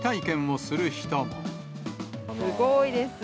すごいです。